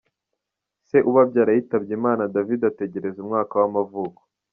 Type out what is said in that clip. Se ubabyara yitabye Imana David atarageza umwaka w’amavuko.